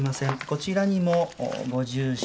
こちらにもご住所